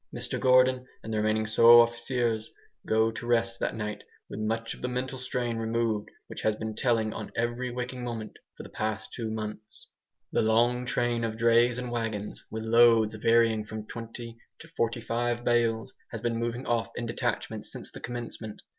Mr Gordon and the remaining "sous officiers" go to rest that night with much of the mental strain removed which has been telling on every waking moment for the last two months. The long train of drays and wagons, with loads varying from twenty to forty five bales, has been moving off in detachments since the commencement.